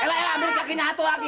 elah elah ambil kakinya satu lagi